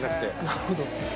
なるほど。